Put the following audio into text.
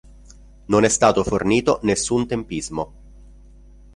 Non è stato fornito nessun tempismo.